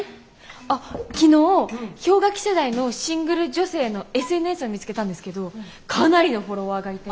あっ昨日氷河期世代のシングル女性のＳＮＳを見つけたんですけどかなりのフォロワーがいて。